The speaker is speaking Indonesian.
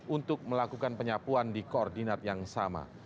untuk melakukan penyapuan di koordinat yang sama